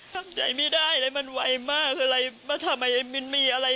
ทำใจไม่ได้เลยมันไวมากมันทำไม่มีอะไร